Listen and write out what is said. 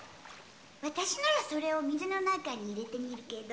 私ならそれを水の中に入れてみるけど？